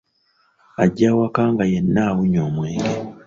Ajja awaka nga yenna awunya omwenge.